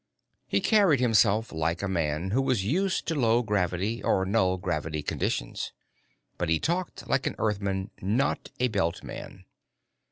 He carried himself like a man who was used to low gravity or null gravity conditions, but he talked like an Earthman, not a Belt man.